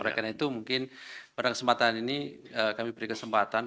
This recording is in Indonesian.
oleh karena itu mungkin pada kesempatan ini kami beri kesempatan